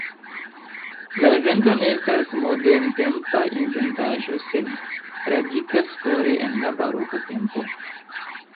La evento ne estas moderntempa inventaĵo, sed radikas fore en la baroka tempo.